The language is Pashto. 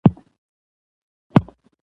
علتونو باندې هم پوهیږي